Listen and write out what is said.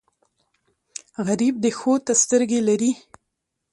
غریب د ښو ته سترګې لري